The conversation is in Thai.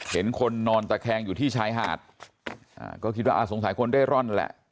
เห็นคนนอนตะแคงอยู่ที่ชายหาดอ่าก็คิดว่าอ่าสงสัยคนเร่ร่อนแหละ